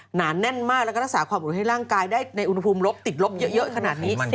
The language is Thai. หนาแน่นมากแล้วก็รักษาความอุดให้ร่างกายได้ในอุณหภูมิลบติดลบเยอะขนาดนี้